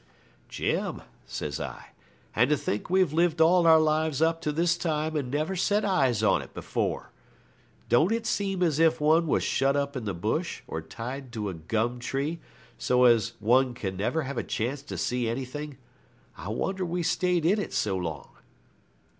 'Jim,' says I, 'and to think we've lived all our lives up to this time and never set eyes on it before. Don't it seem as if one was shut up in the bush, or tied to a gum tree, so as one can never have a chance to see anything? I wonder we stayed in it so long.'